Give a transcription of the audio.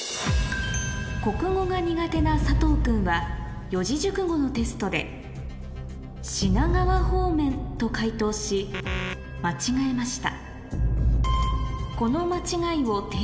国語が苦手な佐藤君は四字熟語のテストで「品川方面」と解答し間違えました